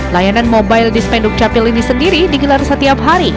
layanan mobile dispenduk capil ini sendiri digelar setiap hari